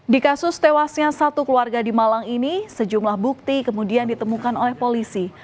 di kasus tewasnya satu keluarga di malang ini sejumlah bukti kemudian ditemukan oleh polisi